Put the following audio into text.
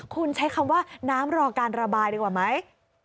คุณใช้คำว่าน้ำรอการระบายดีกว่าไหม